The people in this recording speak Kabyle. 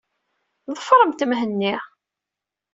Ḍefṛemt Mhenni!